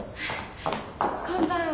こんばんは。